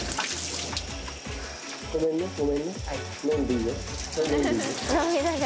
ごめんねごめんね。